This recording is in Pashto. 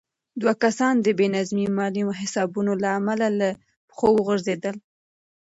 دوه کسان د بې نظمه مالي حسابونو له امله له پښو وغورځېدل.